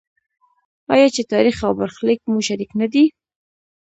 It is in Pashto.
آیا چې تاریخ او برخلیک مو شریک نه دی؟